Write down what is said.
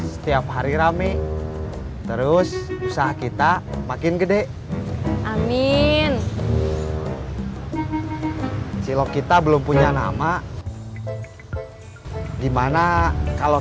setiap hari rame terus usaha kita makin gede amin cilok kita belum punya nama dimana kalau